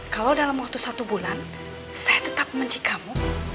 kalau dalam waktu satu bulan saya tetap membenci kamu